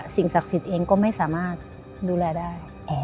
สิ่งศักดิ์สิทธิ์เองก็ไม่สามารถดูแลได้